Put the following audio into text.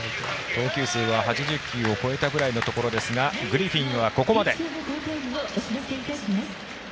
投球数は８０球を超えたぐらいのところですがグリフィンはここまで。